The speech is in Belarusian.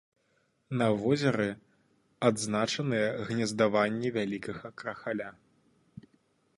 На возеры адзначаныя гнездаванні вялікага крахаля.